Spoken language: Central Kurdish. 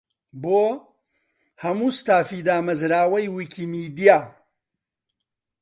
بۆ: هەموو ستافی دامەزراوەی ویکیمیدیا.